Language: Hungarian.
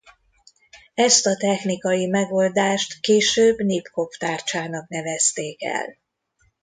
Ezt a technikai megoldást később Nipkow-tárcsának nevezték el.